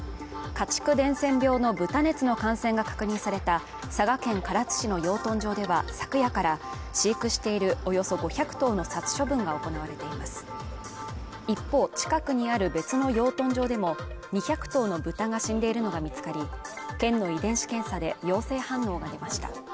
家畜伝染病の豚熱の感染が確認された佐賀県唐津市の養豚場では昨夜から飼育しているおよそ５００頭の殺処分が行われています一方近くにある別の養豚場でも２００頭の豚が死んでいるのが見つかり県の遺伝子検査で陽性反応が出ました